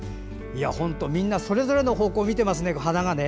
本当、みんなそれぞれの方向を見てますね、花が。